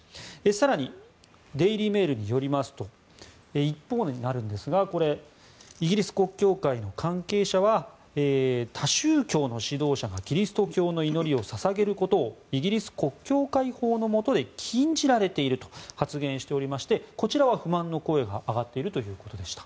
更にデイリー・メールによりますと一方になるんですがイギリス国教会の関係者は他宗教の指導者がキリスト教の祈りを捧げることをイギリス国教会法のもとで禁じられていると発言しておりましてこちらは不満の声が上がっているということでした。